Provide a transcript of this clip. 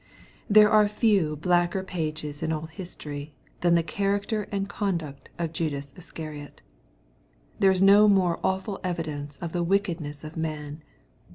V There are few blacker pages in all history, than the character and conduct of Judas Iscariot. jThere is no more awfiil evidence of the wickedness of man.